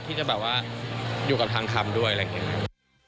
ที่จะอยู่กับทางทำด้วยอะไรอย่างนี้